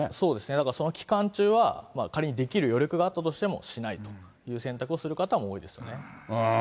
だからその期間中は、仮にできる余力があったとしても、しないという選択をするうーん。